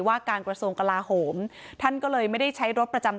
ว่าการกระทรวงกลาโหมท่านก็เลยไม่ได้ใช้รถประจำ